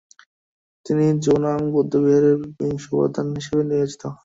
তিনি জো-নাং বৌদ্ধবিহারের বিংশ প্রধান হিসেবে নির্বাচিত হন।